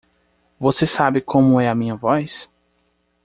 Você sabe como é a minha voz?